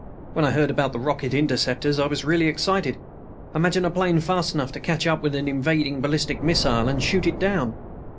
When I heard about the Rocket Interceptors, I was really excited. Imagine a plane fast enough to catch up with an invading ballistic missile and shoot it down.